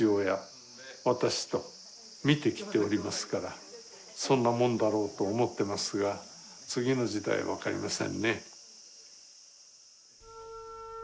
私と見てきておりますからそんなもんだろうと思ってますが次の時代は分かりませんね。